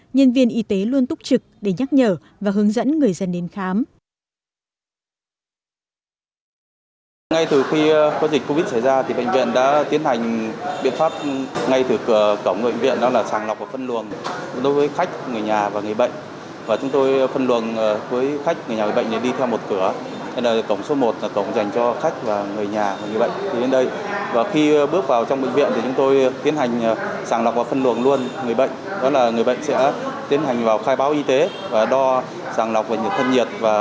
nhân viên y tế luôn túc trực để nhắc nhở và hướng dẫn người dân đến khám